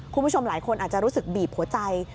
คุณผู้ชมหลายคนอาจจะรู้สึกบีบหัวใจ